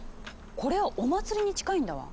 これはお祭りに近いんだわ。